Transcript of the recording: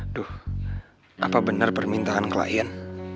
aduh apa benar permintaan klien